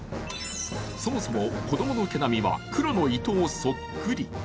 そもそも子供の毛並みは黒のイトウそっくり。